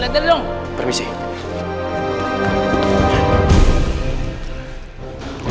terus seperti siihen